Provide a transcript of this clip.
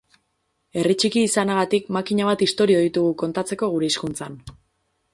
Herri txiki izanagatik makina bat istorio ditugu kontatzeko gure hizkuntzan.